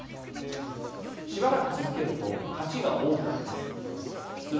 しばらく続けると勝ちが多くなります。